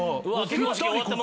ぴったり！